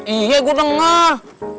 iya gue dengar